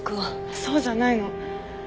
そうじゃないの。